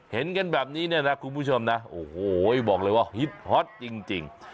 เห็นกันแบบนี้เนี่ยนะคุณผู้ชมนะโอ้โหบอกเลยว่าฮิตฮอตจริง